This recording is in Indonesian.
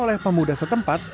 oleh pemuda setempat